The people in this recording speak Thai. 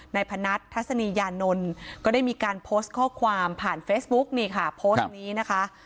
พนัททัศนียานนท์ก็ได้มีการโพสต์ข้อความผ่านเฟซบุ๊กนี่ค่ะโพสต์นี้นะคะ